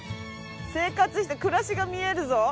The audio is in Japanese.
生活して暮らしが見えるぞ！